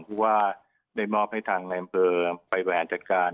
เพราะว่าได้มอบให้ทางแนนเพลิงไปแผนการการ